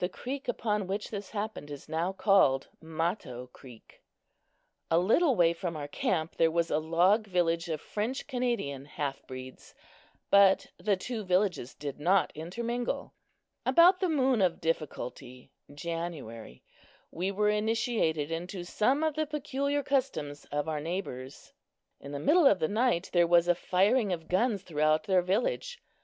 The creek upon which this happened is now called Mato creek. A little way from our camp there was a log village of French Canadian half breeds, but the two villages did not intermingle. About the Moon of Difficulty (January) we were initiated into some of the peculiar customs of our neighbors. In the middle of the night there was a firing of guns throughout their village.